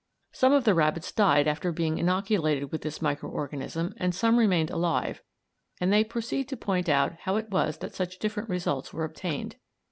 Some of the rabbits died after being inoculated with this micro organism and some remained alive, and they proceed to point out how it was that such different results were obtained.